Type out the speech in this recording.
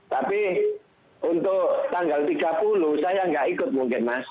tapi untuk tanggal tiga puluh saya nggak ikut mungkin mas